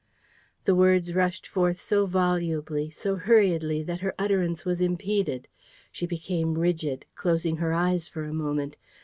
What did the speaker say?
..." The words rushed forth so volubly, so hurriedly, that her utterance was impeded. She became rigid, closing her eyes for a moment.